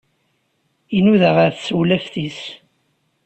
Inuda ɣef tsewlaft-is.